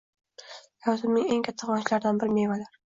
Hayotimning eng katta quvonchlaridan biri mevalar